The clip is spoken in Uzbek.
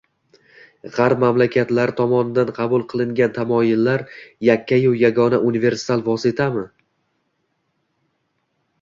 g‘arb mamlakatlari tomonidan qabul qilingan tamoyillar yakka-yu yagona – universal vositami?